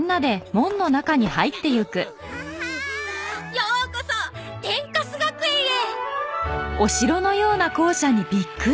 ようこそ天カス学園へ！